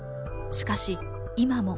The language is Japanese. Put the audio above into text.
しかし、今も。